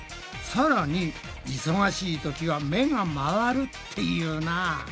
さらに忙しいときは「目が回る」って言うなぁ。